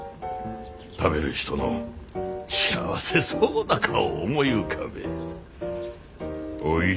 食べる人の幸せそうな顔を思い浮かべえ。